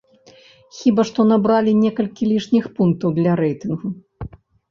Хіба што набралі некалькі лішніх пунктаў для рэйтынгу.